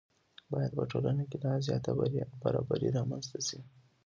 باید په ټولنه کې لا زیاته برابري رامنځته شي.